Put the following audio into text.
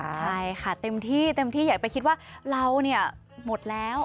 ใช่ค่ะเต็มที่เต็มที่อย่าไปคิดว่าเราเนี่ยหมดแล้ว